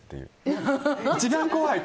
一番怖い。